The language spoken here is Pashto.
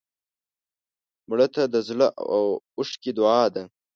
مړه ته د زړه اوښکې دعا ده